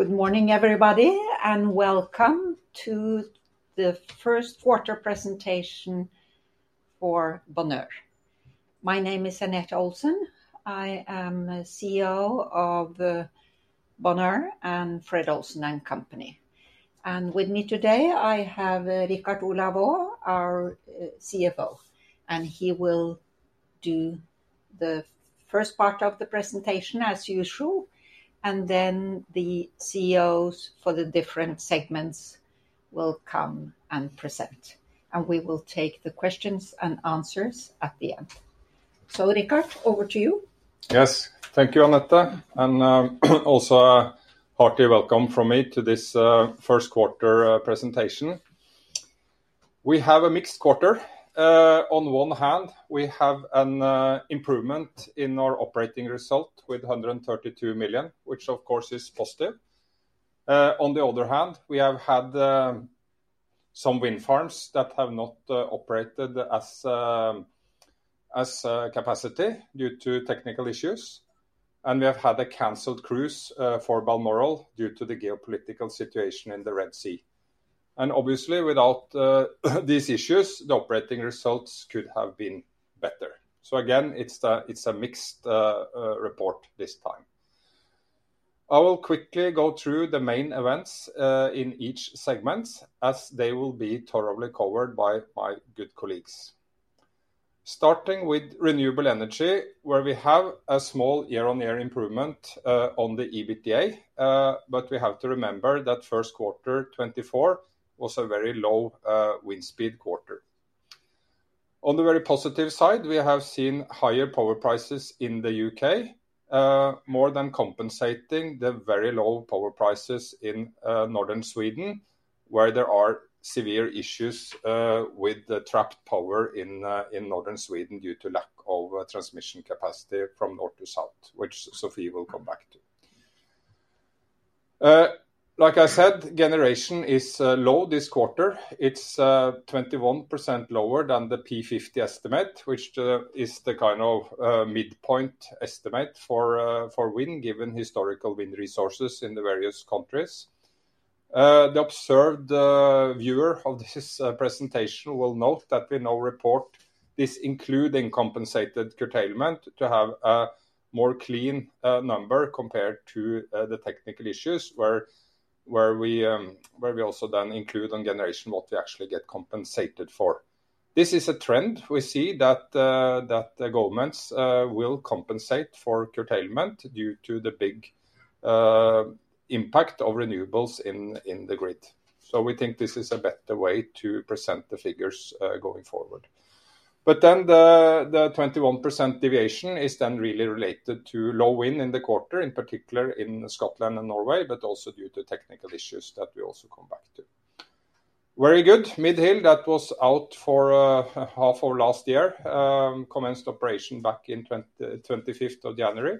Good morning, everybody, and welcome to the first quarter presentation for Bonheur. My name is Anette Olsen. I am CEO of Bonheur and Fred. Olsen & Co. With me today, I have Richard Olav Ore, our CFO, and he will do the first part of the presentation as usual, and then the CEOs for the different segments will come and present, and we will take the questions and answers at the end. Richard, over to you. Yes, thank you, Anette, and also a hearty welcome from me to this first quarter presentation. We have a mixed quarter. On one hand, we have an improvement in our operating result with 132 million, which of course is positive. On the other hand, we have had some wind farms that have not operated as capacity due to technical issues, and we have had a canceled cruise for Balmoral due to the geopolitical situation in the Red Sea. Obviously, without these issues, the operating results could have been better. It is a mixed report this time. I will quickly go through the main events in each segment as they will be thoroughly covered by my good colleagues. Starting with renewable energy, where we have a small year-on-year improvement on the EBITDA, but we have to remember that first quarter 2024 was a very low wind speed quarter. On the very positive side, we have seen higher power prices in the U.K., more than compensating the very low power prices in northern Sweden, where there are severe issues with trapped power in northern Sweden due to lack of transmission capacity from north to south, which Sophie will come back to. Like I said, generation is low this quarter. It is 21% lower than the P50 estimate, which is the kind of midpoint estimate for wind given historical wind resources in the various countries. The observed viewer of this presentation will note that we now report this including compensated curtailment to have a more clean number compared to the technical issues where we also then include on generation what we actually get compensated for. This is a trend we see that governments will compensate for curtailment due to the big impact of renewables in the grid. We think this is a better way to present the figures going forward. The 21% deviation is then really related to low wind in the quarter, in particular in Scotland and Norway, but also due to technical issues that we will also come back to. Very good. Midhill, which was out for half of last year, commenced operation back on the 25th of January.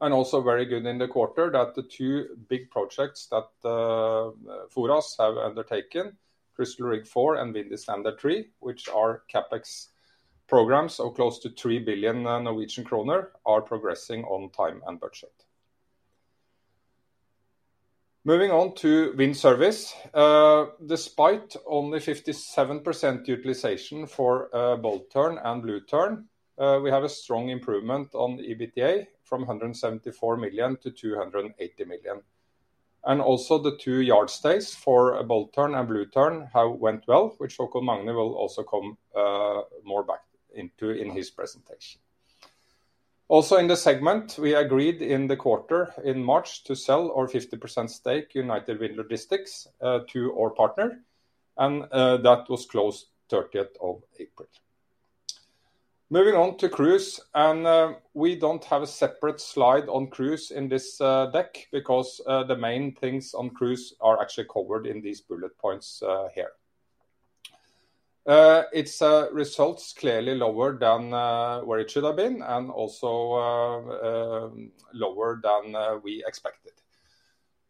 Also very good in the quarter is that the two big projects that FORAS has undertaken, Crystal Rig IV and Windy Standard III, which are CapEx programs of close to 3 billion Norwegian kroner, are progressing on time and on budget. Moving on to wind service, despite only 57% utilization for Bold Tern and Blue Tern, we have a strong improvement on EBITDA from 174 million to 280 million. Also, the two yard stays for Bold Tern and Blue Tern went well, which Håkon Magne Ore will also come back to in his presentation. Also, in the segment, we agreed in the quarter in March to sell our 50% stake in United Wind Logistics to our partner, and that was closed on the 30th of April. Moving on to cruise, we do not have a separate slide on cruise in this deck because the main things on cruise are actually covered in these bullet points here. Its results are clearly lower than where they should have been and also lower than we expected.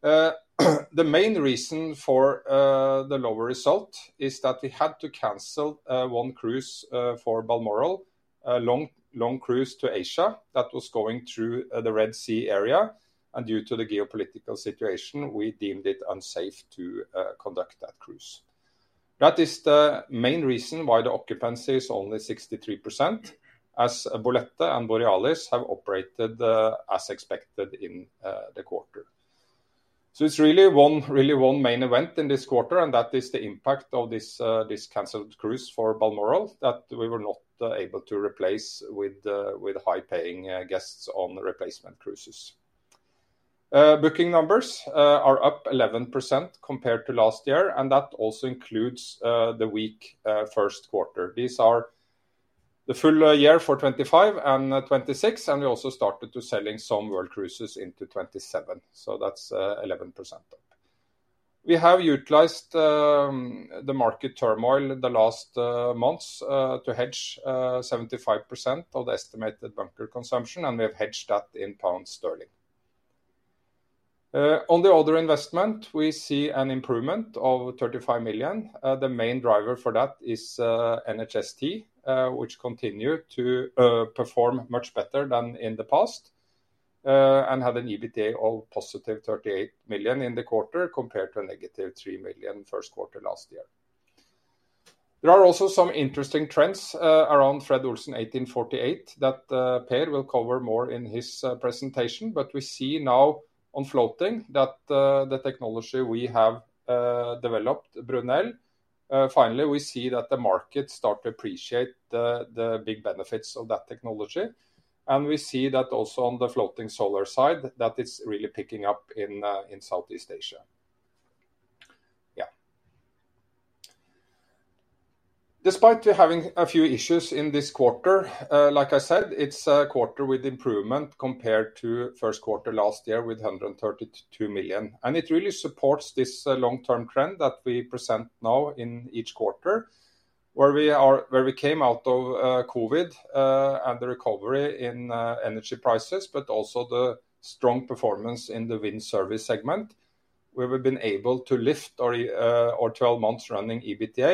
The main reason for the lower result is that we had to cancel one cruise for Balmoral, a long cruise to Asia that was going through the Red Sea area, and due to the geopolitical situation, we deemed it unsafe to conduct that cruise. That is the main reason why the occupancy is only 63%, as Bolette and Borealis have operated as expected in the quarter. It is really one main event in this quarter, and that is the impact of this canceled cruise for Balmoral that we were not able to replace with high-paying guests on replacement cruises. Booking numbers are up 11% compared to last year, and that also includes the weak first quarter. These are the full year for 2025 and 2026, and we also started to selling some world cruises into 2027, so that is 11% up. We have utilized the market turmoil the last months to hedge 75% of the estimated bunker consumption, and we have hedged that in GBP. On the other investment, we see an improvement of 35 million. The main driver for that is NHST, which continued to perform much better than in the past and had an EBITDA of positive 38 million in the quarter compared to a negative 3 million first quarter last year. There are also some interesting trends around Fred. Olsen 1848 that Per will cover more in his presentation, but we see now on floating that the technology we have developed, Brunel, finally we see that the market starts to appreciate the big benefits of that technology, and we see that also on the floating solar side that it’s really picking up in Southeast Asia. Yeah. Despite having a few issues in this quarter, like I said, it’s a quarter with improvement compared to the first quarter last year with 132 million, and it really supports this long-term trend that we present now in each quarter where we came out of COVID and the recovery in energy prices, but also the strong performance in the wind service segment where we’ve been able to lift our 12-month rolling EBITDA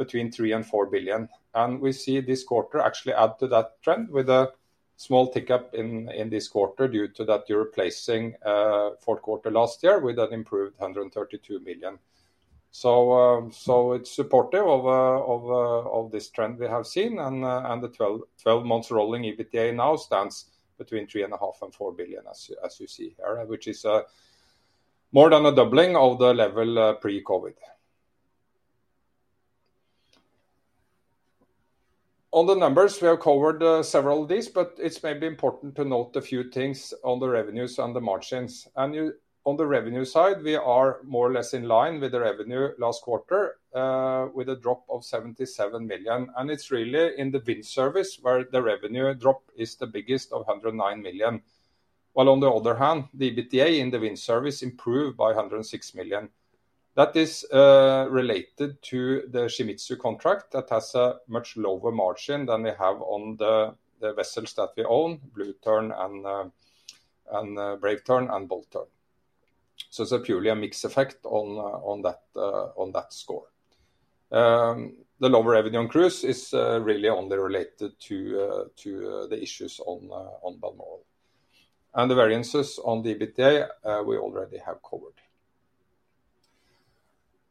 between 3 billion and 4 billion. We see this quarter actually add to that trend with a small tick up in this quarter due to that you’re replacing the fourth quarter last year with an improved 132 million. It is supportive of this trend we have seen, and the 12-month rolling EBITDA now stands between 3.5 billion and 4 billion, as you see here, which is more than a doubling of the level pre-COVID. On the numbers, we have covered several of these, but it’s maybe important to note a few things on the revenues and the margins. On the revenue side, we are more or less in line with the revenue last quarter with a drop of 77 million, and it’s really in the wind service where the revenue drop is the biggest of 109 million. While on the other hand, the EBITDA in the wind service improved by 106 million. That is related to the Shimizu contract that has a much lower margin than we have on the vessels that we own, Blue Tern and Brave Tern and Bold Tern. It’s purely a mix effect on that score. The lower revenue on cruise is really only related to the issues on Balmoral. The variances on the EBITDA we already have covered.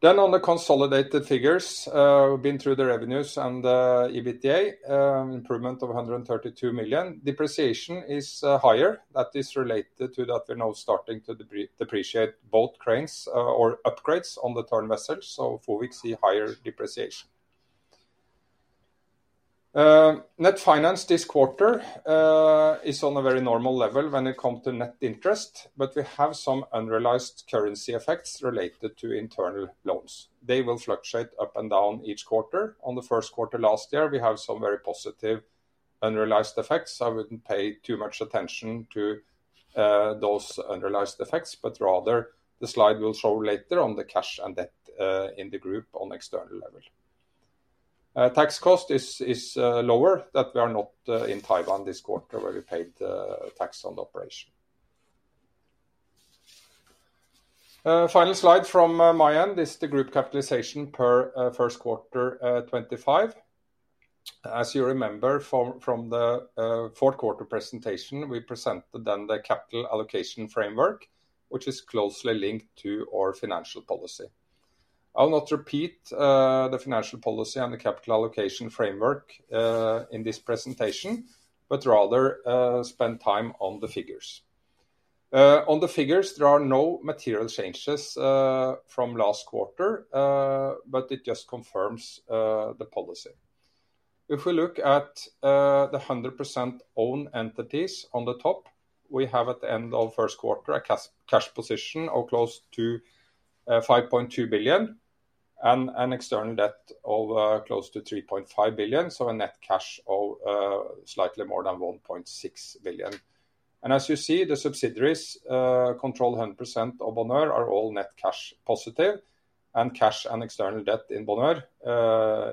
On the consolidated figures, we’ve been through the revenues and the EBITDA, an improvement of 132 million. Depreciation is higher. That is related to the fact that we’re now starting to depreciate both cranes or upgrades on the Tern vessels, so we see higher depreciation. Net finance this quarter is at a very normal level when it comes to net interest, but we have some unrealized currency effects related to internal loans. They will fluctuate up and down each quarter. In the first quarter last year, we had some very positive unrealized effects. I wouldn’t pay too much attention to those unrealized effects, but rather the slide will show later on the cash and debt in the group on an external level. Tax cost is lower as we are not in Taiwan this quarter where we paid tax on the operation. Final slide from my end is the group capitalization per first quarter 2025. As you remember from the fourth quarter presentation, we presented then the capital allocation framework, which is closely linked to our financial policy. I'll not repeat the financial policy and the capital allocation framework in this presentation, but rather spend time on the figures. On the figures, there are no material changes from last quarter, but it just confirms the policy. If we look at the 100% owned entities on the top, we have at the end of first quarter a cash position of close to 5.2 billion and an external debt of close to 3.5 billion, so a net cash of slightly more than 1.6 billion. As you see, the subsidiaries controlled 100% by Bonheur are all net cash positive, and cash and external debt in Bonheur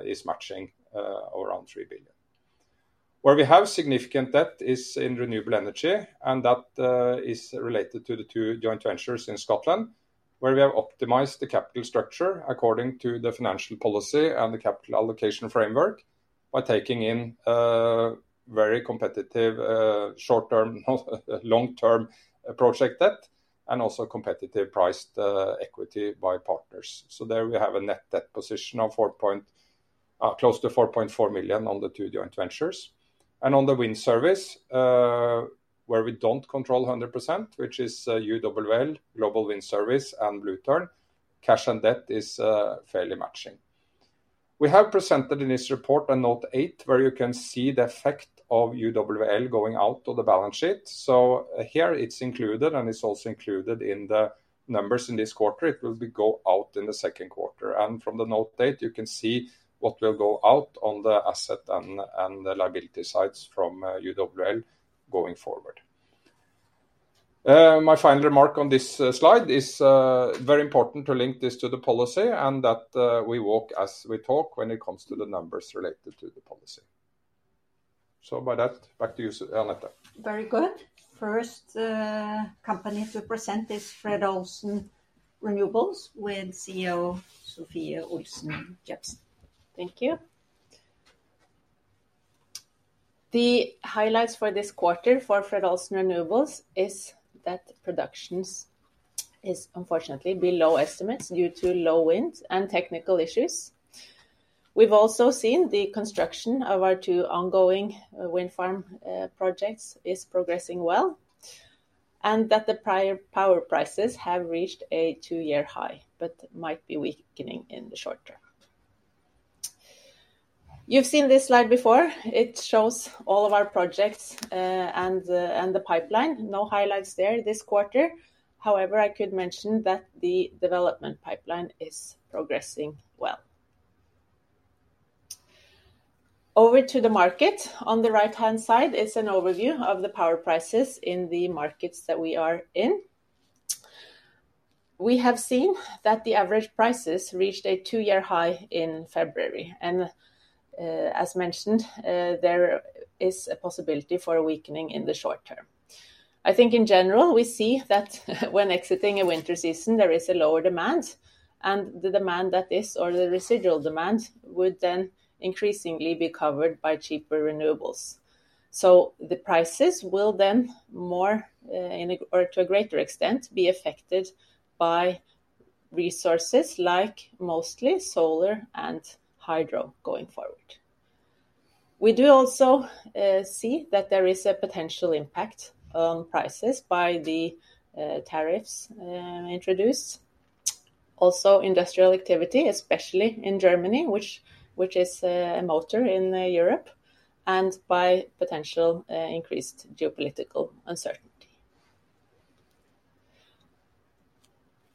is matching around 3 billion. Where we have significant debt is in renewable energy, and that is related to the two joint ventures in Scotland, where we have optimized the capital structure according to the financial policy and the capital allocation framework by taking in very competitive short-term, long-term project debt, and also competitively priced equity by partners. There we have a net debt position of close to 4.4 million on the two joint ventures. On the wind service, where we do not control 100%, which is UWL, Global Wind Service, and Blue Tern, cash and debt is fairly matching. We have presented in this report a note 8, where you can see the effect of UWL going out of the balance sheet. Here it is included, and it is also included in the numbers in this quarter. It will go out in the second quarter. From note 8, you can see what will go out on the asset and the liability sides from UWL going forward. My final remark on this slide is very important to link this to the policy and that we walk as we talk when it comes to the numbers related to the policy. By that, back to you, Anette. Very good. First company to present is Fred. Olsen Renewables with CEO Sophie Olsen-Jepsen. Thank you. The highlights for this quarter for Fred. Olsen Renewables is that production is unfortunately below estimates due to low winds and technical issues. We’ve also seen the construction of our two ongoing wind farm projects is progressing well and that the prior power prices have reached a two-year high, but might be weakening in the short term. You’ve seen this slide before. It shows all of our projects and the pipeline. No highlights there this quarter. However, I could mention that the development pipeline is progressing well. Over to the market. On the right-hand side is an overview of the power prices in the markets that we are in. We have seen that the average prices reached a two-year high in February, and as mentioned, there is a possibility for a weakening in the short term. I think in general, we see that when exiting a winter season, there is a lower demand, and the demand that is, or the residual demand, would then increasingly be covered by cheaper renewables. The prices will then, more or to a greater extent, be affected by resources like mostly solar and hydro going forward. We do also see that there is a potential impact on prices by the tariffs introduced. Also, industrial activity, especially in Germany—which is a motor in Europe—and by potential increased geopolitical uncertainty.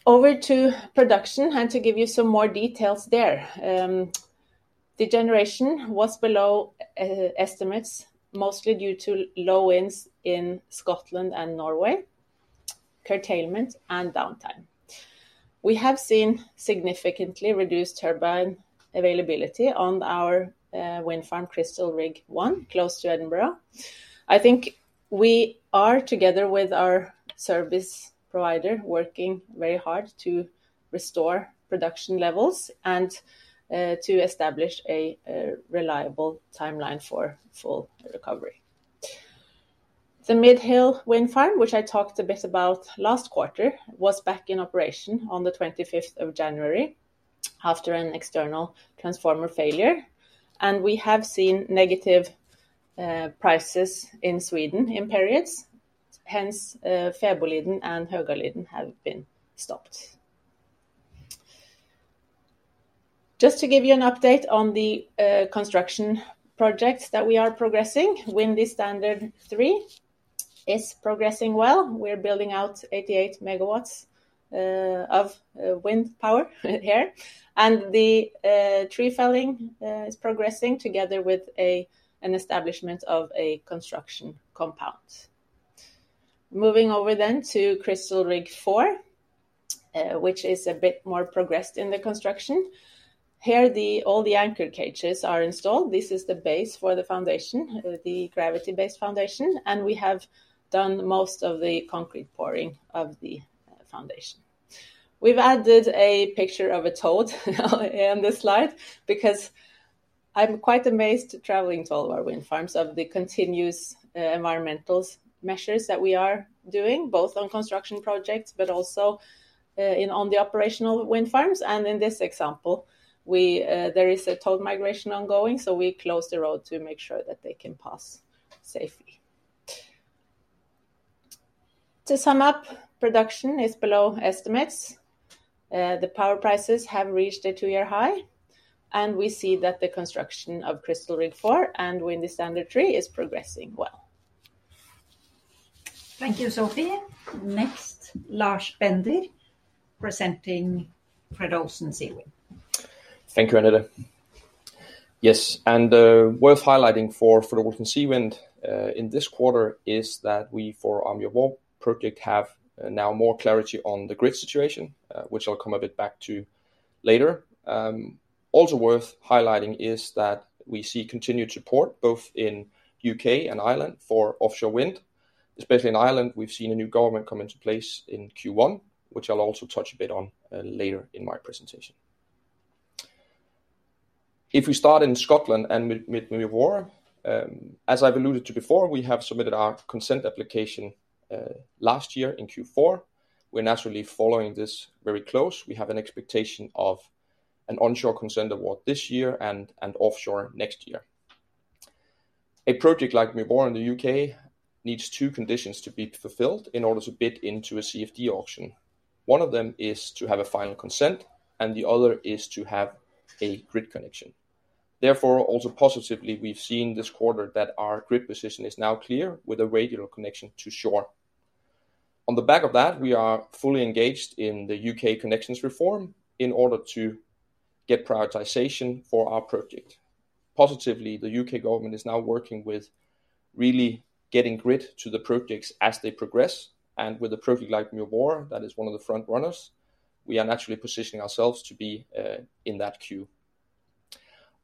Over to production, and to give you some more details there. Degeneration was below estimates, mostly due to low winds in Scotland and Norway, curtailment, and downtime. We have seen significantly reduced turbine availability on our wind farm, Crystal Rig 1, close to Edinburgh. I think we are, together with our service provider, working very hard to restore production levels and establish a reliable timeline for full recovery. The Midhill Wind Farm, which I talked a bit about last quarter, was back in operation on the 25th of January after an external transformer failure, and we have seen negative prices in Sweden in periods. Hence, Fäboliden and Högaliden have been stopped. Just to give you an update on the construction projects that we are progressing, Windy Standard 3 is progressing well. We're building out 88 megawatts of wind power here, and the tree felling is progressing together with an establishment of a construction compound. Moving over then to Crystal Rig 4, which is a bit more progressed in the construction. Here, all the anchor cages are installed. This is the base for the foundation, the gravity-based foundation, and we have done most of the concrete pouring of the foundation. We've added a picture of a toad on this slide because I'm quite amazed traveling to all of our wind farms of the continuous environmental measures that we are doing, both on construction projects, but also on the operational wind farms. In this example, there is a toad migration ongoing The power prices have reached a two-year high, and we see that the construction of Crystal Rig 4 and Windy Standard 3 is progressing well. Thank you, Sophie. Next, Lars Bender, presenting Fred. Olsen Seawind. Thank you, Anette. Yes, and worth highlighting for Fred. Olsen Seawind in this quarter is that we, for our Amiable project, have now more clarity on the grid situation, which I’ll come a bit back to later. Also worth highlighting is that we see continued support both in the U.K. and Ireland for offshore wind. Especially in Ireland, we’ve seen a new government come into place in Q1, which I’ll also touch a bit on later in my presentation. If we start in Scotland and Midvar, as I’ve alluded to before, we have submitted our consent application last year in Q4. We’re naturally following this very close. We have an expectation of an onshore consent award this year and offshore next year. A project like Midvar in the U.K. needs two conditions to be fulfilled in order to bid into a CFD auction. One of them is to have a final consent, and the other is to have a grid connection. Therefore, also positively, we’ve seen this quarter that our grid position is now clear with a regular connection to shore. On the back of that, we are fully engaged in the U.K. connections reform in order to get prioritization for our project. Positively, the U.K. government is now working with really getting grid to the projects as they progress, and with a project like Midvar, that is one of the front runners, we are naturally positioning ourselves to be in that queue.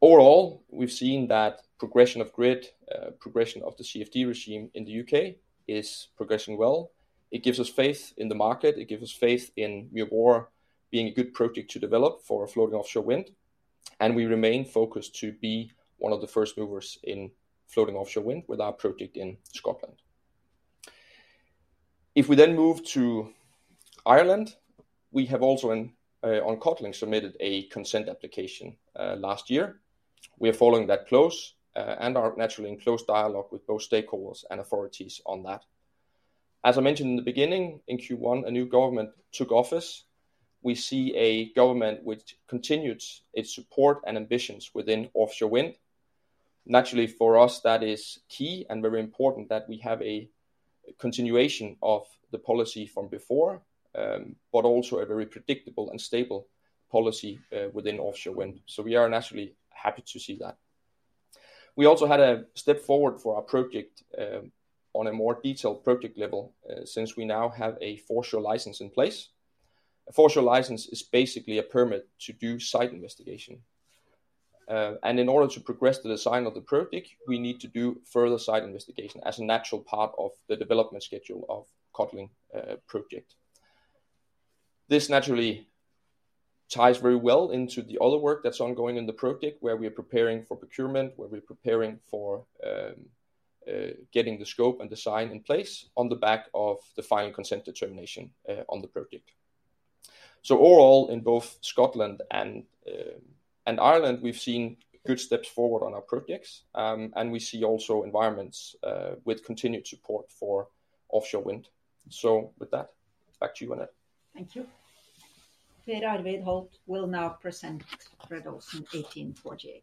Overall, we’ve seen that progression of grid, progression of the CFD regime in the U.K. is progressing well. It gives us faith in the market. It gives us faith in Midvar being a good project to develop for floating offshore wind, and we remain focused to be one of the first movers in floating offshore wind with our project in Scotland. If we then move to Ireland, we have also on Codling submitted a consent application last year. We are following that close and are naturally in close dialogue with both stakeholders and authorities on that. As I mentioned in the beginning, in Q1, a new government took office. We see a government which continued its support and ambitions within offshore wind. Naturally, for us, that is key and very important that we have a continuation of the policy from before, but also a very predictable and stable policy within offshore wind. We are naturally happy to see that. We also had a step forward for our project on a more detailed project level since we now have a foreshore license in place. A foreshore license is basically a permit to do site investigation. In order to progress the design of the project, we need to do further site investigation as a natural part of the development schedule of the Codling project. This naturally ties very well into the other work that’s ongoing in the project where we are preparing for procurement, where we’re preparing for getting the scope and design in place on the back of the final consent determination on the project. Overall, in both Scotland and Ireland, we’ve seen good steps forward on our projects, and we also see environments with continued support for offshore wind. With that, back to you, Anette. Thank you. Arvid Holt will now present Fred. Olsen 1848.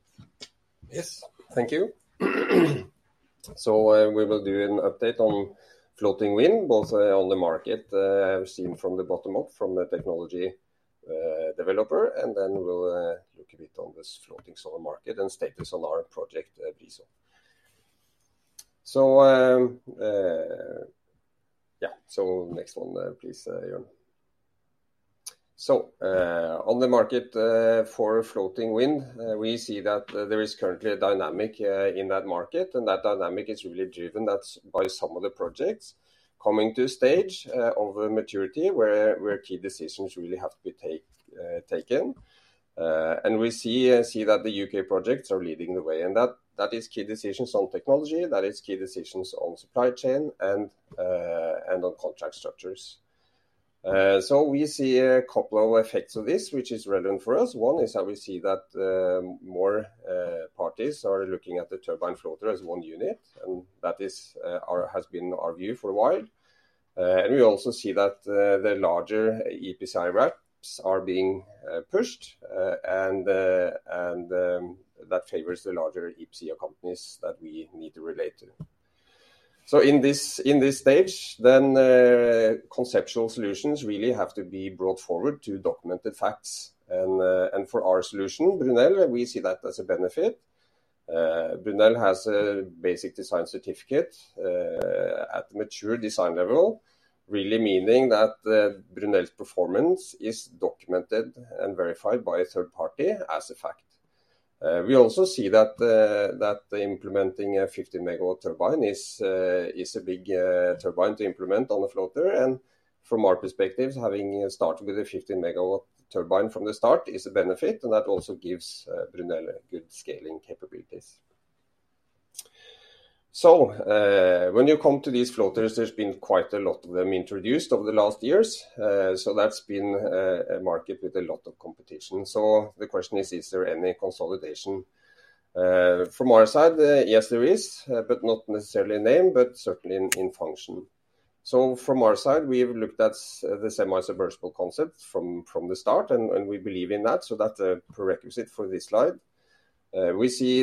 Yes, thank you. We will do an update on floating wind, both on the market, as seen from the bottom up from the technology developer, and then we’ll look a bit at this floating solar market and the status on our project Brisel. Next one, please, Jørn. On the market for floating wind, we see that there is currently a dynamic in that market, and that dynamic is really driven by some of the projects coming to a stage of maturity where key decisions really have to be taken. We see that the U.K. projects are leading the way, and that is key decisions on technology, that is key decisions on supply chain and on contract structures. We see a couple of effects of this, which is relevant for us. One is that we see that more parties are looking at the turbine floater as one unit, and that has been our view for a while. We also see that the larger EPCI wraps are being pushed, and that favors the larger EPCI companies that we need to relate to. In this stage, then conceptual solutions really have to be brought forward to document the facts. For our solution, Brunel, we see that as a benefit. Brunel has a basic design certificate at the mature design level, really meaning that Brunel's performance is documented and verified by a third party as a fact. We also see that implementing a 15-megawatt turbine is a big turbine to implement on a floater, and from our perspective, having started with a 15-megawatt turbine from the start is a benefit, and that also gives Brunel good scaling capabilities. When you come to these floaters, there’s been quite a lot of them introduced over the last years, so that’s been a market with a lot of competition. The question is, is there any consolidation? From our side, yes, there is, but not necessarily in name, but certainly in function. From our side, we’ve looked at the semi-submersible concept from the start, and we believe in that, so that’s a prerequisite for this slide. We see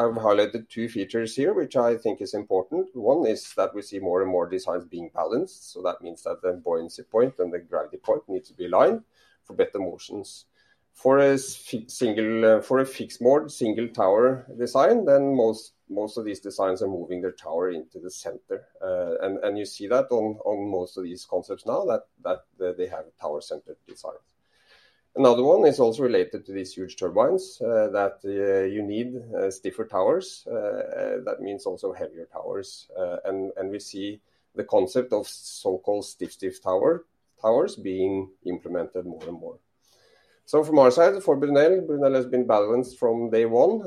I’ve highlighted two features here, which I think is important. One is that we see more and more designs being balanced, so that means that the buoyancy point and the gravity point need to be aligned for better motions. For a fixed mode, single-tower design, most of these designs are moving their tower into the center, and you see that on most of these concepts now that they have tower-centered designs. Another one is also related to these huge turbines that you need stiffer towers. That means also heavier towers, and we see the concept of so-called stiff, stiff towers being implemented more and more. From our side, for Brunel, Brunel has been balanced from day one,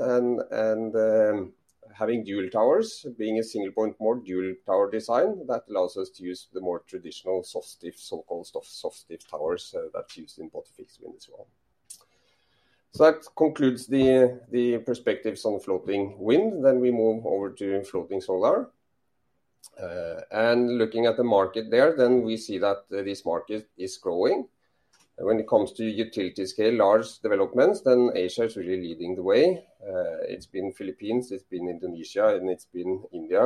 and having dual towers being a single-point, more dual-tower design, that allows us to use the more traditional so-called soft stiff towers that’s used in both fixed wind as well. That concludes the perspectives on floating wind. We move over to floating solar. Looking at the market there, we see that this market is growing. When it comes to utility-scale, large developments, Asia is really leading the way. It’s been the Philippines, it’s been Indonesia, and it’s been India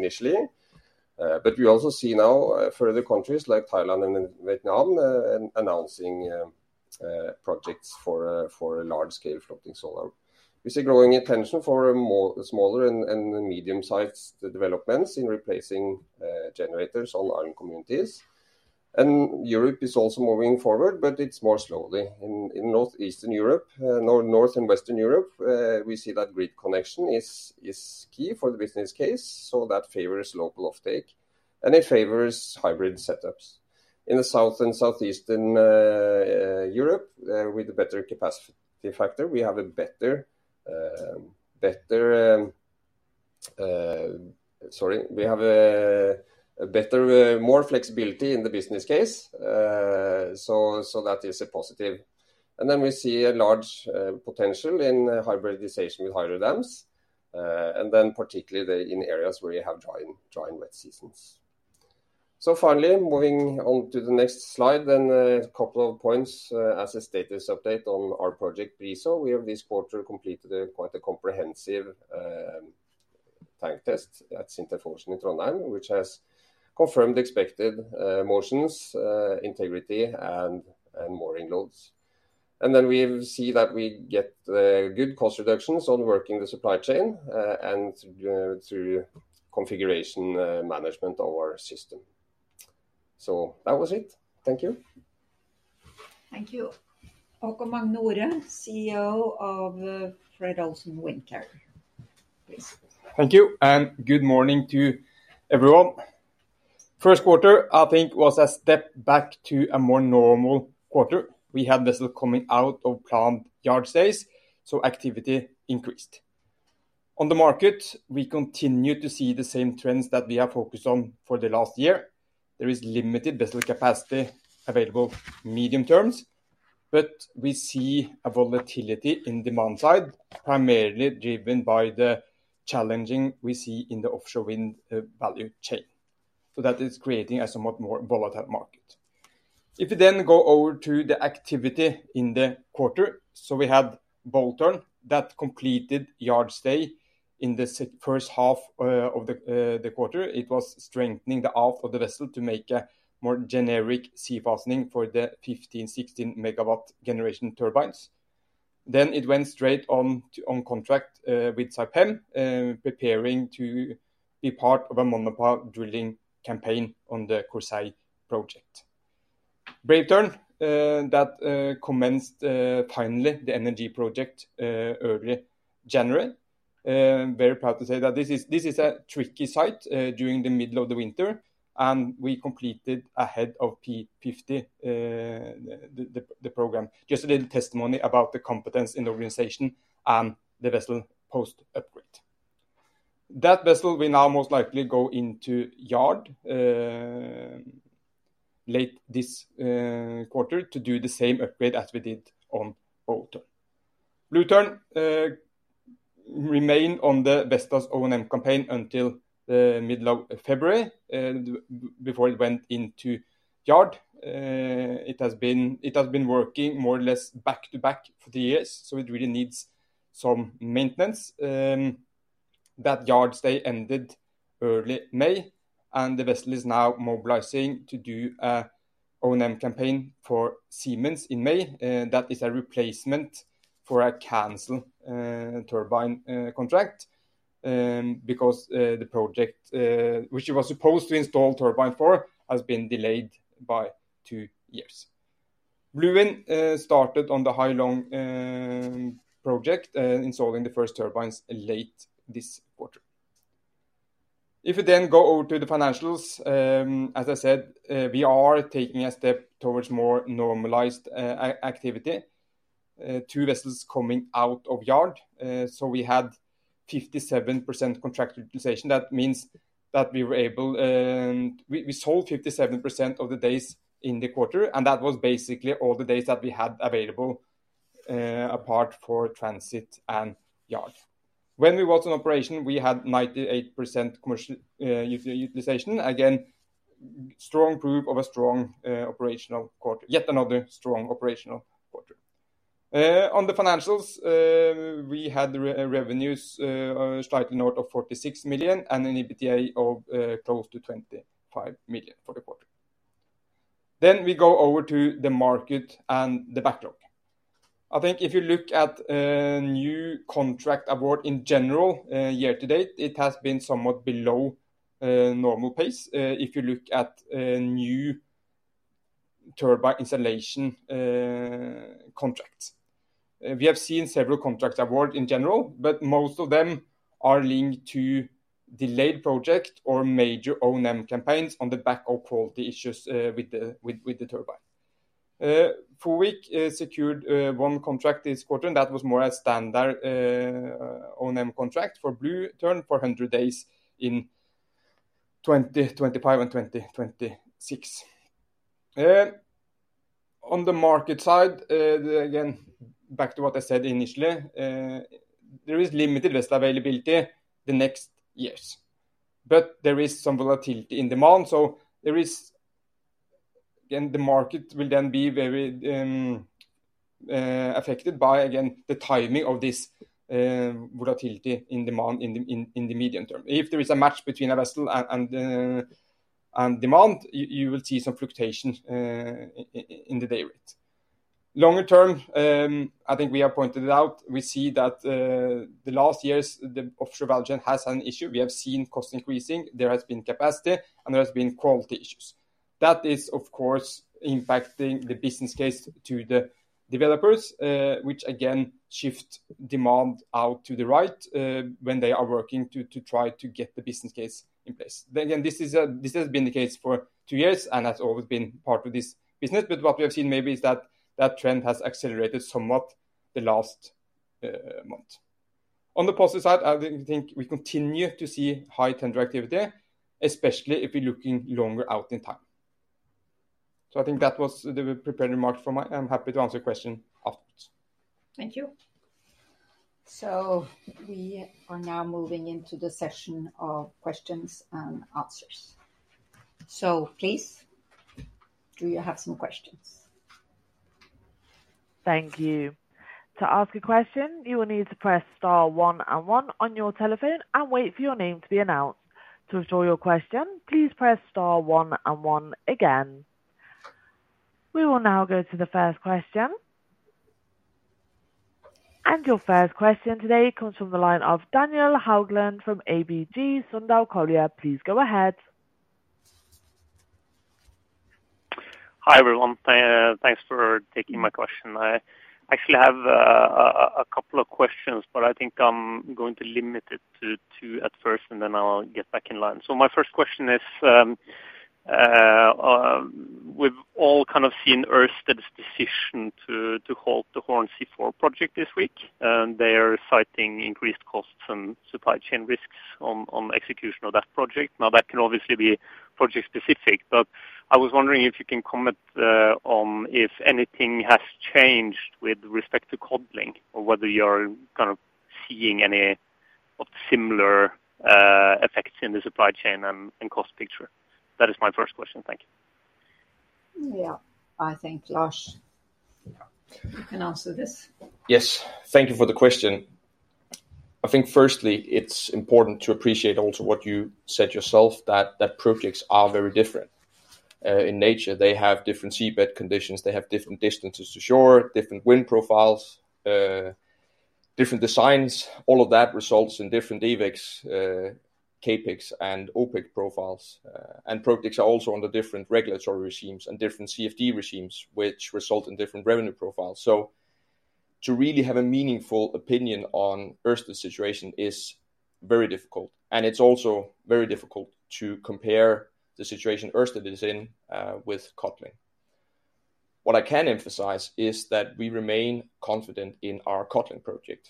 initially. We also see now further countries like Thailand and Vietnam announcing projects for large-scale floating solar. We see growing attention for smaller and medium-sized developments in replacing generators on island communities. Europe is also moving forward, but it’s more slowly. In Northeastern Europe, North and Western Europe, we see that grid connection is key for the business case, so that favors local offtake, and it favors hybrid setups. In the South and Southeastern Europe, with a better capacity factor, we have more flexibility in the business case. That is a positive. We see a large potential in hybridization with hydrodams, particularly in areas where you have dry and wet seasons. Finally, moving on to the next slide, a couple of points as a status update on our project Brisel. We have, this quarter, completed quite a comprehensive tank test at Sintef Orsten in Trondheim, which has confirmed expected motions, integrity, and mooring loads. We see that we get good cost reductions on working the supply chain and through configuration management of our system. That was it. Thank you. Thank you. Håkon Magne Ore, CEO of Fred. Olsen Windcarrier. Thank you, and good morning to everyone. First quarter, I think, was a step back to a more normal quarter. We had vessels coming out of planned yard stays, so activity increased. On the market, we continue to see the same trends that we have focused on for the last year. There is limited vessel capacity available medium term, but we see a volatility in demand side, primarily driven by the challenges we see in the offshore wind value chain. That is creating a somewhat more volatile market. If we go over to the activity in the quarter, we had Bold Tern that completed yard stay in the first half of the quarter. It was strengthening the aft of the vessel to make a more generic sea fastening for the 15–16 megawatt generation turbines. It went straight on contract with Saipem, preparing to be part of a monopile drilling campaign on the Corsae project. Brave Tern commenced the energy project early January. Very proud to say that this is a tricky site during the middle of the winter, and we completed ahead of P50 the program. Just a little testimony about the competence in the organization and the vessel post-upgrade. That vessel will now most likely go into yard late this quarter to do the same upgrade as we did on Bold Tern. Blue Tern remained on the Vestas O&M campaign until mid-February before it went into yard. It has been working more or less back to back for three years, so it really needs some maintenance. That yard stay ended early May, and the vessel is now mobilizing to do an O&M campaign for Siemens Gamesa in May. That is a replacement for a canceled turbine contract because the project, which it was supposed to install turbines for, has been delayed by two years. Blue Tern started on the High Long project, installing the first turbines late this quarter. If we then go over to the financials, as I said, we are taking a step towards more normalized activity. Two vessels coming out of yard. We had 57% contract utilization. That means that we were able — we sold 57% of the days in the quarter, and that was basically all the days that we had available apart from transit and yard. When we were also in operation, we had 98% commercial utilization. Again, strong proof of a strong operational quarter. Yet another strong operational quarter. On the financials, we had revenues slightly north of $46 million and an EBITDA of close to $25 million for the quarter. We go over to the market and the backlog. I think if you look at new contract award in general year to date, it has been somewhat below normal pace if you look at new turbine installation contracts. We have seen several contracts award in general, but most of them are linked to delayed projects or major O&M campaigns on the back of quality issues with the turbine. FOWIC secured one contract this quarter. That was more a standard O&M contract for Blue Tern for 100 days in 2025 and 2026. On the market side again, back to what I said initially, there is limited vessel availability in the next years, but there is some volatility in demand. There is, again, the market will then be very affected by, again, the timing of this volatility in demand in the medium term. If there is a match between a vessel and demand, you will see some fluctuation in the day rate. Longer term, I think we have pointed it out. We see that the last years, the offshore value chain has had an issue. We have seen cost increasing. There has been capacity, and there have been quality issues. That is, of course, impacting the business case to the developers, which again shifts demand out to the right when they are working to try to get the business case in place. Again, this has been the case for two years, and that’s always been part of this business. What we have seen maybe is that that trend has accelerated somewhat the last month. On the positive side, I think we continue to see high tender activity, especially if we’re looking longer out in time. I think that was the prepared remark for me. I’m happy to answer questions afterwards. Thank you. We are now moving into the session of questions and answers. Please, do you have some questions? Thank you. To ask a question, you will need to press star one on your telephone and wait for your name to be announced. To withdraw your question, please press star one again. We will now go to the first question. Your first question today comes from the line of Daniel Haugland from ABG Sundal Collier. Please go ahead. Hi everyone. Thanks for taking my question. I actually have a couple of questions, but I think I’m going to limit it to two at first, and then I’ll get back in line. My first question is, we’ve all kind of seen Ørsted’s decision to halt the Hornsea 4 project this week. They are citing increased costs and supply chain risks on execution of that project. Now, that can obviously be project-specific, but I was wondering if you can comment on if anything has changed with respect to Codling, or whether you’re kind of seeing any similar effects in the supply chain and cost picture. That is my first question. Thank you. I think, Lars, you can answer this. Yes. Thank you for the question. I think firstly, it’s important to appreciate also what you said yourself, that projects are very different in nature. They have different seabed conditions. They have different distances to shore, different wind profiles, different designs. All of that results in different EVICs, CapEx and OpEx profiles. Projects are also under different regulatory regimes and different CFD regimes, which result in different revenue profiles. To really have a meaningful opinion on Ørsted’s situation is very difficult. It is also very difficult to compare the situation Ørsted is in with Codling. What I can emphasize is that we remain confident in our Codling project.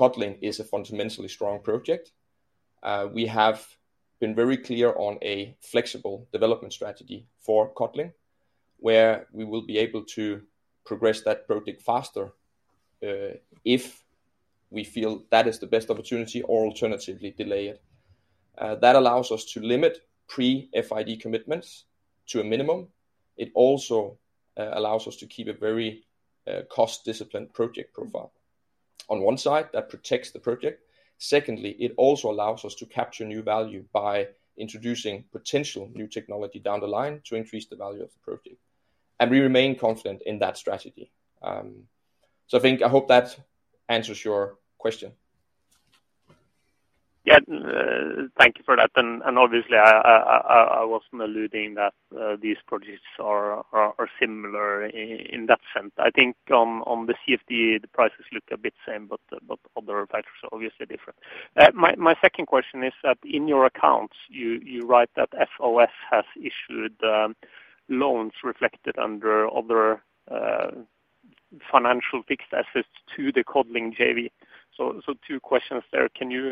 Codling is a fundamentally strong project. We have been very clear on a flexible development strategy for Codling, where we will be able to progress that project faster if we feel that is the best opportunity or alternatively delay it. That allows us to limit pre-FID commitments to a minimum. It also allows us to keep a very cost-disciplined project profile. On one side, that protects the project. Secondly, it also allows us to capture new value by introducing potential new technology down the line to increase the value of the project. We remain confident in that strategy. I think, I hope that answers your question. Yeah, thank you for that. Obviously, I wasn’t alluding that these projects are similar in that sense. I think on the CFD, the prices look a bit the same, but other factors are obviously different. My second question is that in your accounts, you wrote that FOS has issued loans reflected under other financial fixed assets to the Codling JV. Two questions there. Can you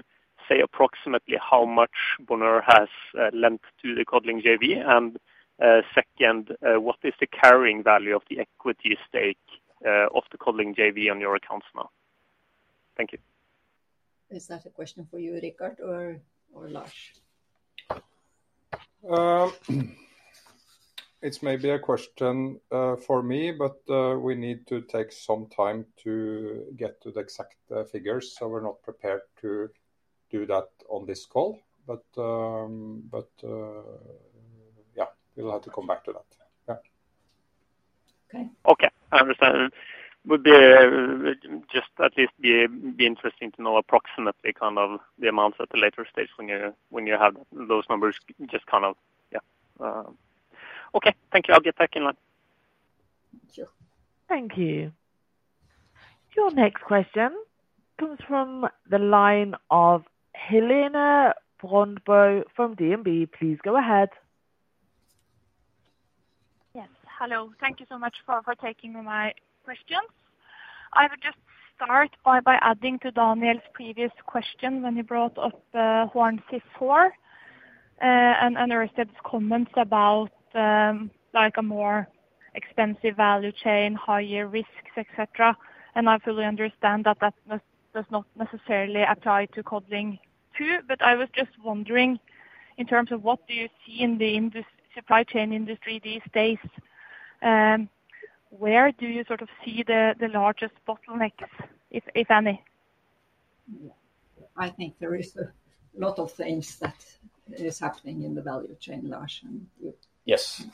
say approximately how much Bonheur has lent to the Codling JV? Second, what is the carrying value of the equity stake of the Codling JV on your accounts now? Is that a question for you, Richard, or Lars? It’s maybe a question for me, but we need to take some time to get to the exact figures. We’re not prepared to do that on this call. Yeah, we’ll have to come back to that. Yeah. Okay. Okay, I understand. It would just at least be interesting to know approximately the kind of amounts at a later stage when you have those numbers. Just kind of—yeah. Okay. Thank you. I’ll get back in line. Thank you. I was just wondering, in terms of what you see in the supply chain industry these days, where do you see the largest bottlenecks, if any? I think there is a lot of things that are happening in the value chain, Lars. Yes.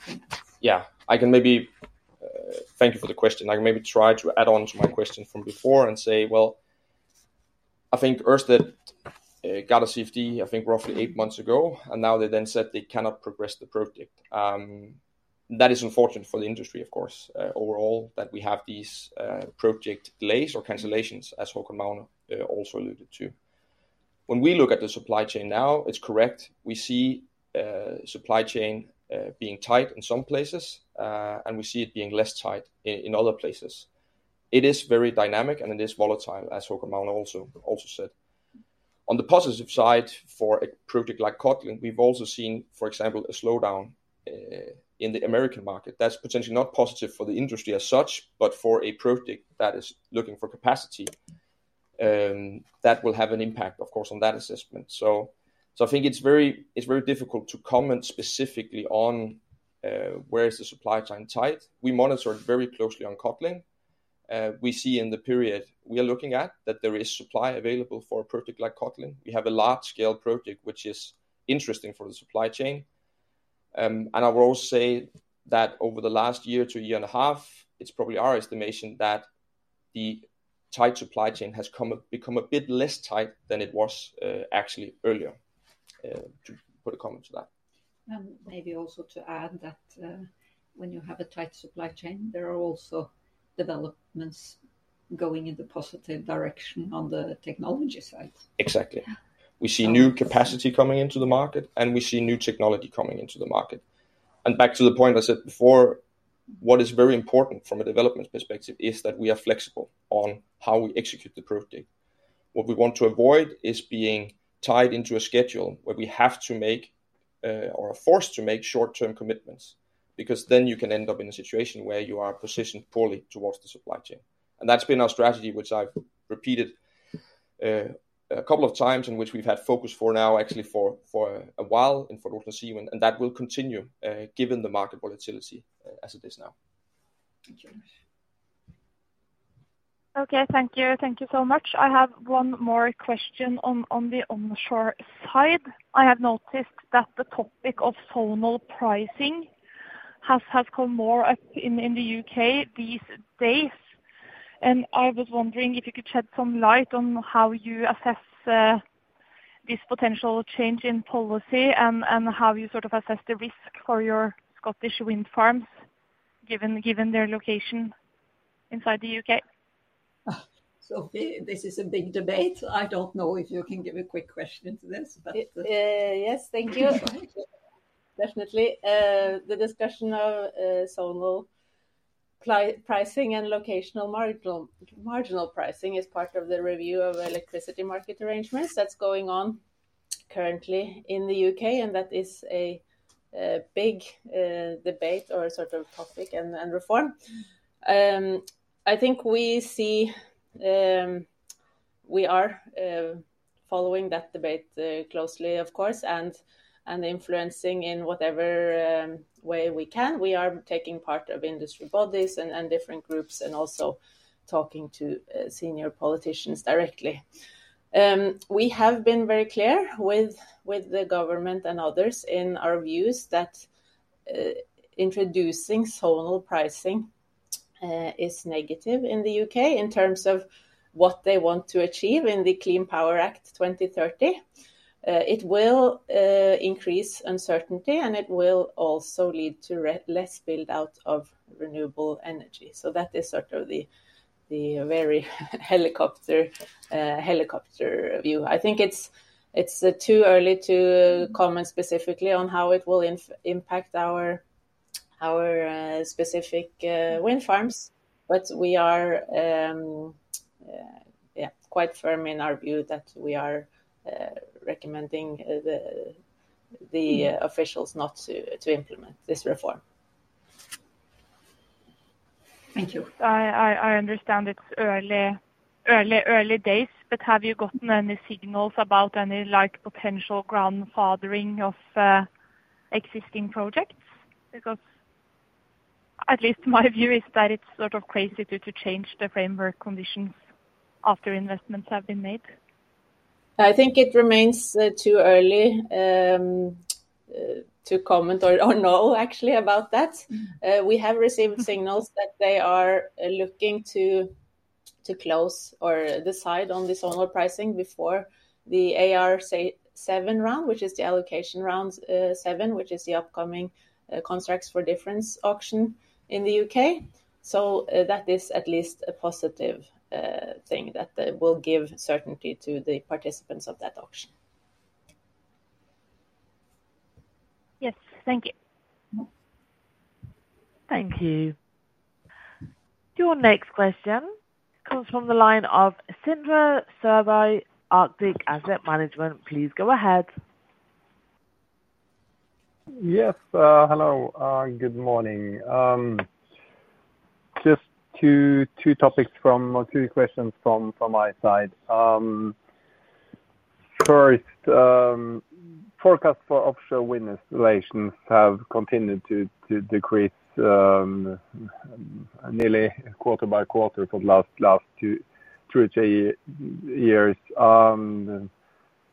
Yeah. I can maybe—thank you for the question. I can maybe try to add on to my question from before and say, I think Ørsted got a CFD, I think, roughly eight months ago, and now they then said they cannot progress the project. That is unfortunate for the industry, of course, overall, that we have these project delays or cancellations, as Håkon Magne Ore also alluded to. When we look at the supply chain now, it’s correct. We see supply chain being tight in some places, and we see it being less tight in other places. It is very dynamic, and it is volatile, as Håkon Magne Ore also said. On the positive side for a project like Codling, we’ve also seen, for example, a slowdown in the American market. That’s potentially not positive for the industry as such, but for a project that is looking for capacity, that will have an impact, of course, on that assessment. I think it’s very difficult to comment specifically on where is the supply chain tight. We monitor it very closely on Codling. We see in the period we are looking at that there is supply available for a project like Codling. We have a large-scale project, which is interesting for the supply chain. I will also say that over the last year to a year and a half, it’s probably our estimation that the tight supply chain has become a bit less tight than it was actually earlier, to put a comment to that. Maybe also to add that when you have a tight supply chain, there are also developments going in the positive direction on the technology side. Exactly. We see new capacity coming into the market, and we see new technology coming into the market. Back to the point I said before, what is very important from a development perspective is that we are flexible on how we execute the project. What we want to avoid is being tied into a schedule where we have to make or are forced to make short-term commitments because then you can end up in a situation where you are positioned poorly towards the supply chain. That has been our strategy, which I’ve repeated a couple of times and which we’ve had focus for now, actually for a while in Fred. Olsen Seawind, and that will continue given the market volatility as it is now. Thank you, Lars. Okay. Thank you. Thank you so much. I have one more question on the onshore side. I have noticed that the topic of zonal pricing has come more up in the U.K. these days. I was wondering if you could shed some light on how you assess this potential change in policy and how you sort of assess the risk for your Scottish wind farms given their location inside the U.K. Sophie, this is a big debate. I do not know if you can give a quick question to this, but— Yes, thank you. Definitely. The discussion of zonal pricing and locational marginal pricing is part of the review of electricity market arrangements that is going on currently in the U.K., and that is a big debate or sort of topic and reform. I think we are following that debate closely, of course, and influencing in whatever way we can. We are taking part in industry bodies and different groups and also talking to senior politicians directly. We have been very clear with the government and others in our views that introducing zonal pricing is negative in the U.K. in terms of what they want to achieve in the Clean Power Act 2030. It will increase uncertainty, and it will also lead to less build-out of renewable energy. That is sort of the very helicopter view. I think it’s too early to comment specifically on how it will impact our specific wind farms, but we are quite firm in our view that we are recommending the officials not to implement this reform. We have received signals that they are looking to close or decide on the zonal pricing before the AR7 round, which is the Allocation Round 7 — the upcoming Contracts for Difference auction in the U.K. That is at least a positive thing that will give certainty to the participants of that auction. Yes. Thank you. Thank you. Your next question comes from the line of Sindra Surbov, Arctic Asset Management. Please go ahead. Yes. Hello. Good morning. Just two topics or two questions from my side. First, forecasts for offshore wind installations have continued to decrease nearly quarter by quarter for the last two or three years.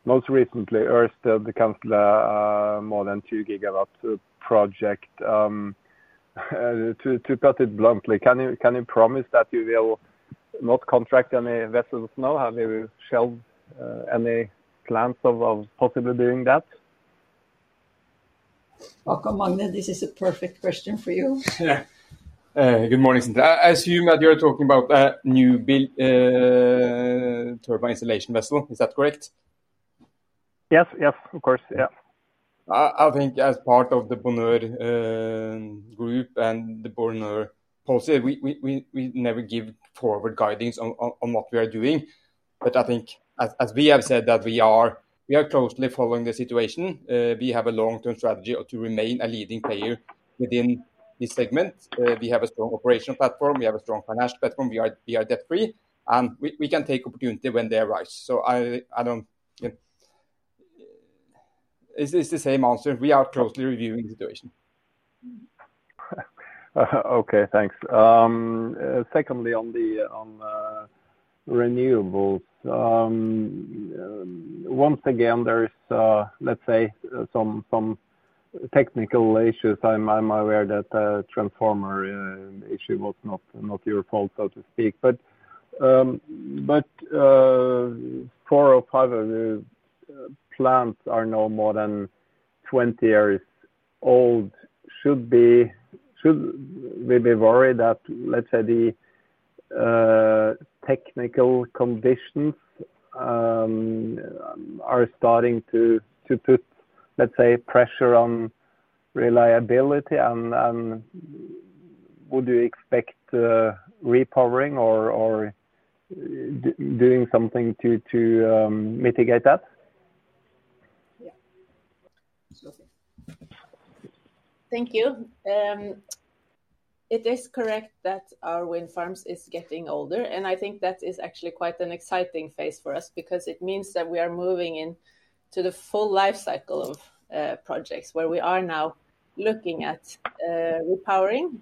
Most recently, Ørsted cancelled a more than 2-gigawatt project. To put it bluntly, can you promise that you will not contract any vessels now? Have you shelved any plans of possibly doing that? Håkon Magne, this is a perfect question for you. Good morning, Sindra. I assume that you’re talking about a new turbine installation vessel. Is that correct? Yes. Yes, of course. Yeah.I think as part of the Bonheur group and the Bonheur policy, we never give forward guidance on what we are doing. I think as we have said — we are closely following the situation, we have a long-term strategy to remain a leading player within this segment. We have a strong operational platform. We have a strong financial platform. We are debt-free. We can take opportunities when they arise. It is the same answer. We are closely reviewing the situation. Okay. Thanks. Secondly, on renewables, once again, there is, let’s say, some technical issues. I’m aware that the transformer issue was not your fault, so to speak. Four or five of your plants are no more than 20 years old. Should we be worried that, let’s say, the technical conditions are starting to put, let’s say, pressure on reliability? Would you expect repowering or doing something to mitigate that? Yeah. Thank you. It is correct that our wind farms are getting older. I think that is actually quite an exciting phase for us because it means that we are moving into the full life cycle of projects where we are now looking at repowering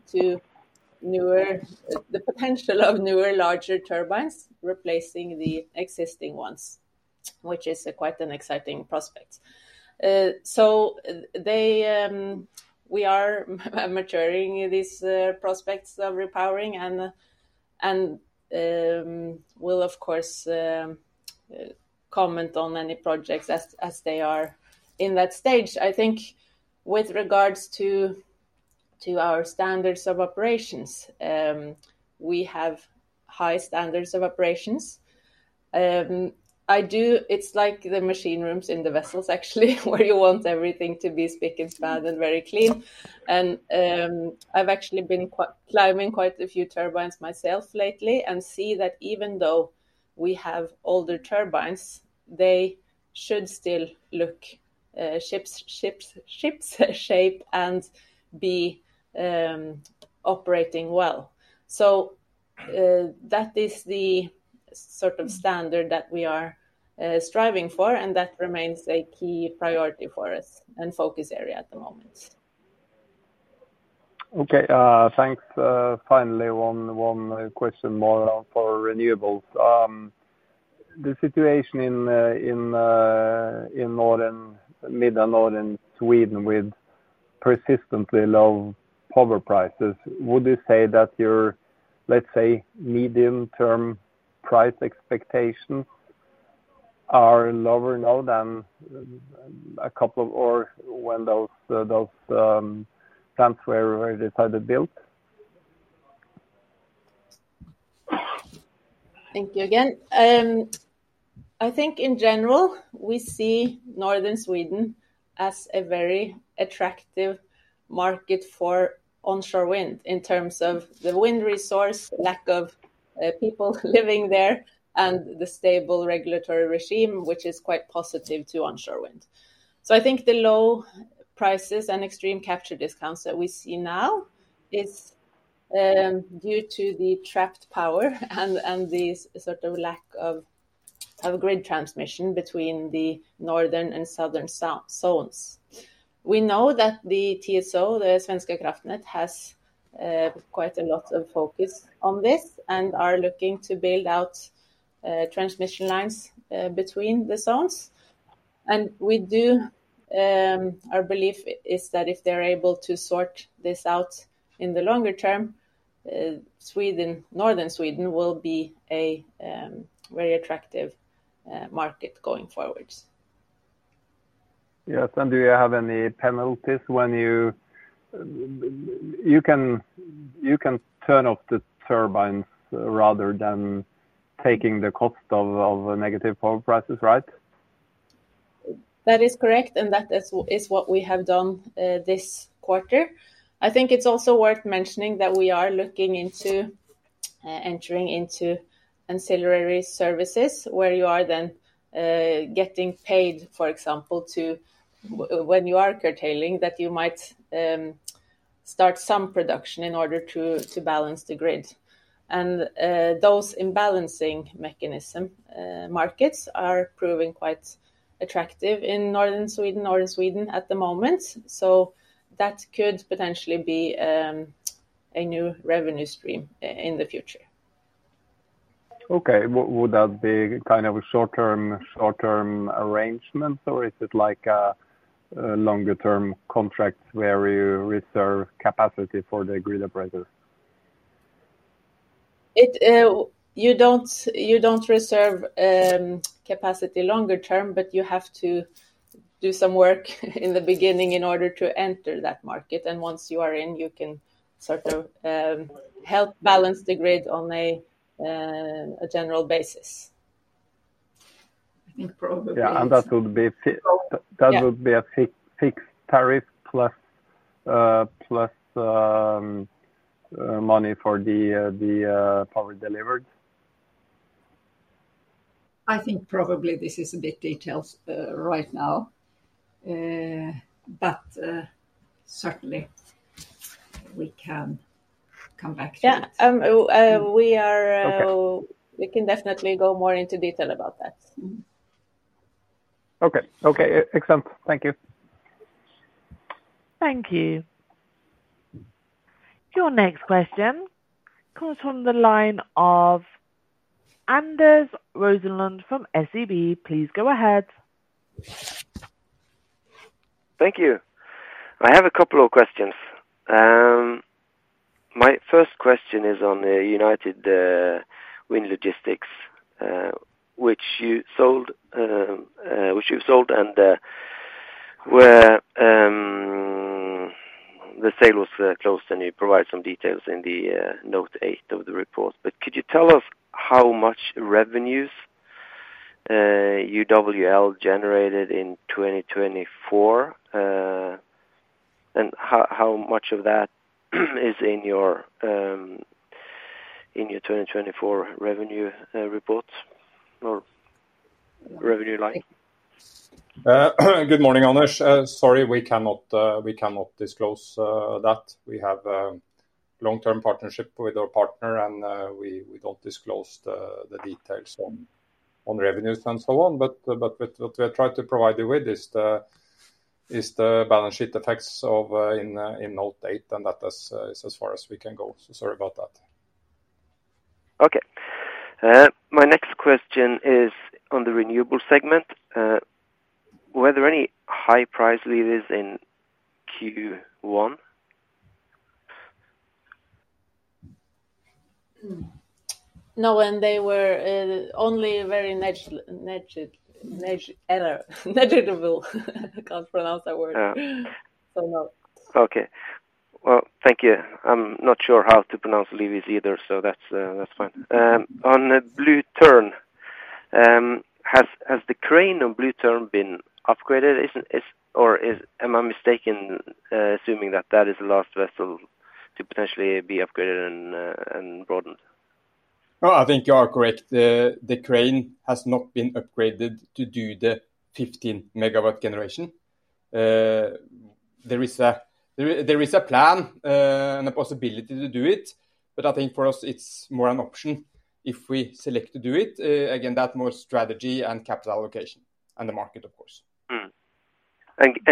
— the potential of newer, larger turbines replacing the existing ones — which is quite an exciting prospect. We are maturing these prospects of repowering and will, of course, comment on any projects as they are in that stage. I think with regard to our standards of operations, we have high standards of operations. It’s like the machine rooms in the vessels, actually, where you want everything to be spick-and-span and very clean. I’ve actually been climbing quite a few turbines myself lately and see that even though we have older turbines, they should still look shipshape and be operating well. That is the sort of standard that we are striving for, and that remains a key priority for us and focus area at the moment. Okay. Thanks. Finally, one question more for renewables. The situation in Mid and Northern Sweden — with persistently low power prices — would you say that your, let’s say, medium-term price expectations are lower now than a couple of years ago when those plants were decided to build? Thank you again. I think, in general, we see Northern Sweden as a very attractive market for onshore wind in terms of the wind resource, lack of people living there, and the stable regulatory regime, which is quite positive to onshore wind. I think the low prices and extreme capture discounts that we see now are due to the trapped power and the sort of lack of grid transmission between the northern and southern zones. We know that the TSO, Svenska Kraftnät, has quite a lot of focus on this and are looking to build out transmission lines between the zones. Our belief is that if they’re able to sort this out in the longer term, Northern Sweden will be a very attractive market going forward. Yes. And do you have any penalties when you can turn off the turbines rather than taking the cost of negative power prices, right? That is correct. That is what we have done this quarter. I think it is also worth mentioning that we are looking into entering into ancillary services where you are then getting paid, for example, when you are curtailing, that you might start some production in order to balance the grid. Those imbalance-mechanism markets are proving quite attractive in Northern Sweden at the moment. That could potentially be a new revenue stream in the future. Okay. Would that be kind of a short-term arrangement, or is it like a longer-term contract where you reserve capacity for the grid operators? You do not reserve capacity longer term, but you have to do some work in the beginning in order to enter that market. Once you are in, you can sort of help balance the grid on a general basis. I think probably. Yeah. That would be a fixed tariff plus money for the power delivered? I think probably this is a bit detailed right now, but certainly, we can come back to that. Yeah. We can definitely go more into detail about that. Okay. Okay. Excellent. Thank you. Thank you. Your next question comes from the line of Anders Rosenlund from SEB. Please go ahead. Thank you. I have a couple of questions. My first question is on the United Wind Logistics, which you’ve sold and where the sale was closed, and you provided some details in Note Eight of the report. Could you tell us how much revenues UWL generated in 2024, and how much of that is in your 2024 revenue reports or revenue line? Good morning, Anders. Sorry, we cannot disclose that. We have a long-term partnership with our partner, and we do not disclose the details on revenues and so on. What we are trying to provide you with is the balance sheet effects in Note Eight, and that is as far as we can go. Sorry about that. Okay. My next question is on the renewables segment. Were there any high-price leaders in Q1? No, and they were only very negligible. I cannot pronounce that word. No.Okay. Thank you. I am not sure how to pronounce Leavies either, so that is fine. On Blue Tern, has the crane on Blue Tern been upgraded, or am I mistaken assuming that it is the last vessel to potentially be upgraded and broadened? No, I think you are correct. The crane has not been upgraded to do the 15-megawatt generation. Okay. Thank you.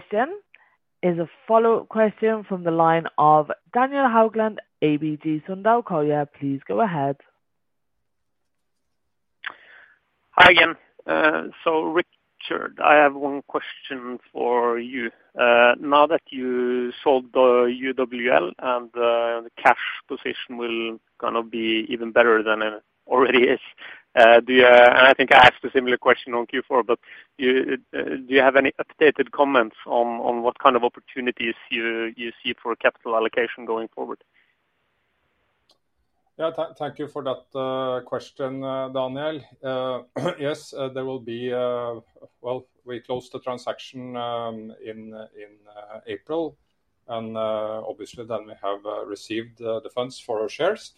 Thank you. Now that you sold the UWL and the cash position will kind of be even better than it already is—and I think I asked a similar question on Q4—but do you have any updated comments on what kind of opportunities you see for capital allocation going forward? Yeah. Thank you for that question, Daniel. Yes, there will be a… well, we closed the transaction in April, and obviously, then we have received the funds for our shares.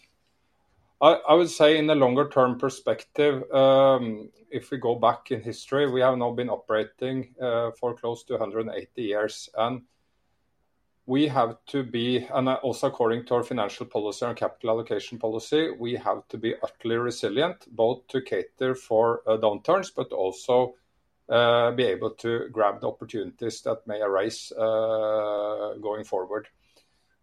I would say in the longer-term perspective, if we go back in history, we have now been operating for close to 180 years, and we have to be—and also according to our financial policy and capital allocation policy—we have to be utterly resilient both to cater for downturns but also be able to grab the opportunities that may arise going forward.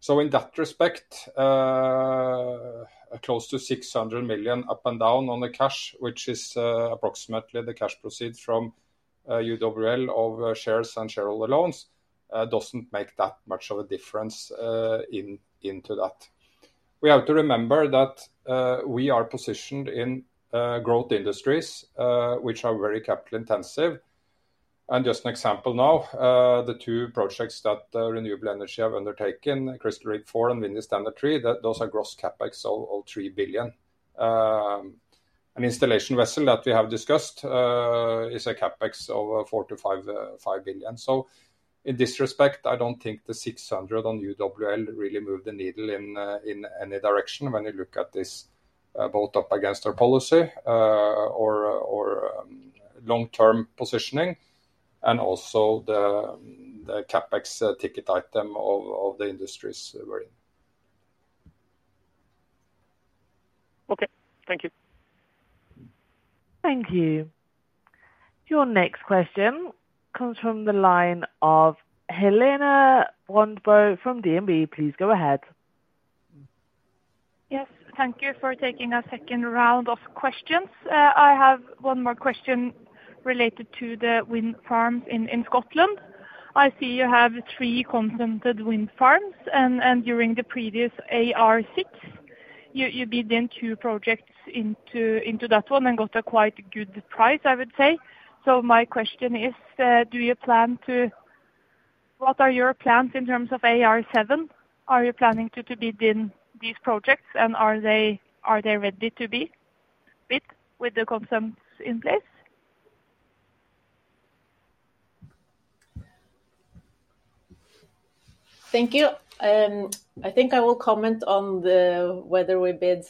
In that respect, close to 600 million up and down on the cash — which is approximately the cash proceeds from UWL of shares and shareholder loans — does not make that much of a difference to that. We have to remember that we are positioned in growth industries, which are very capital-intensive. Just as an example now, the two projects that Renewable Energy have undertaken, Crystal Rig 4 and Windy Standard 3, those are gross CapEx of NOK 3 billion. Your next question comes from the line of Helena Wandbo from DNB. Please go ahead. Yes. Thank you for taking a second round of questions. I have one more question related to the wind farms in Scotland. I see you have three consented wind farms, and during the previous AR6, you bid in two projects into that one and got quite a good price, I would say. My question is, do you plan to — what are your plans in terms of AR7? Are you planning to bid in these projects, and are they ready to be bid with the consents in place? Thank you. I think I will comment on whether we bid,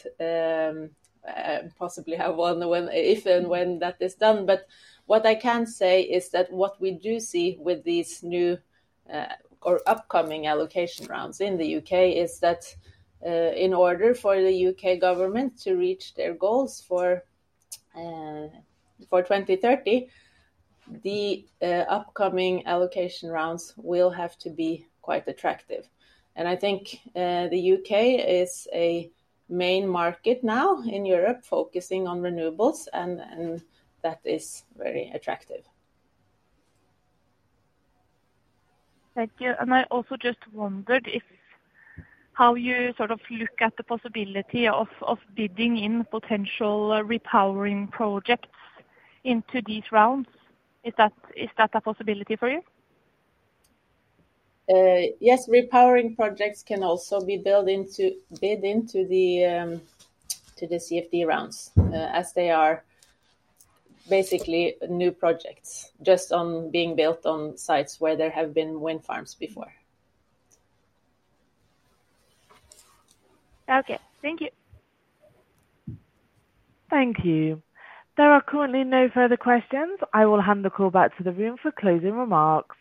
possibly have one, if and when that is done. What I can say is that what we do see with these new or upcoming allocation rounds in the U.K. is that in order for the U.K. government to reach their goals for 2030, the upcoming allocation rounds will have to be quite attractive. I think the U.K. is a main market now in Europe focusing on renewables, and that is very attractive. Thank you. I also just wondered how you sort of look at the possibility of bidding in potential repowering projects into these rounds. Is that a possibility for you? Yes. Repowering projects can also be bid into the CFD rounds as they are basically new projects just being built on sites where there have been wind farms before. Okay. Thank you. Thank you. There are currently no further questions. I will hand the call back to the room for closing remarks.